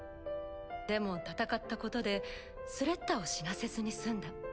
でも戦ったことでスレッタを死なせずに済んだ。